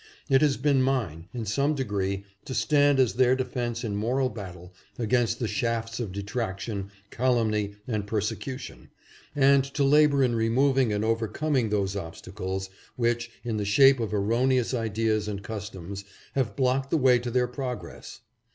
It has been mine, in some degree, to stand as their defense in moral battle against the shafts of detraction, calumny and persecution, and to labor in removing and overcom ing those obstacles which, in the shape of erroneous ideas and customs, have blocked the way to their progress.'